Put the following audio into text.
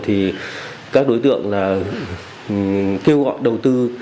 thì các đối tượng là kêu gọi đầu tư